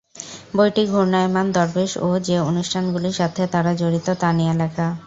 বইটি ঘূর্ণায়মান দরবেশ ও যে অনুষ্ঠানগুলির সাথে তারা জড়িত তা নিয়ে লেখা।